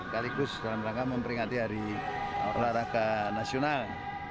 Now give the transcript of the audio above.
kaligus dalam rangka memperingati hari olahraga nasional